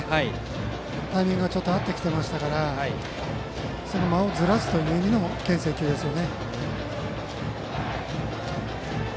タイミングが合ってきていたのでその間をずらすという意味のけん制でした。